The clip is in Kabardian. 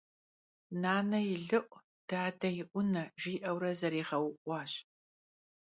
«Nane yi lı'u, dade yi 'une» jji'eure zeriğeu'uaş.